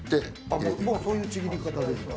もうそういうちぎり方ですか。